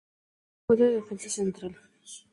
Jugó de defensa central.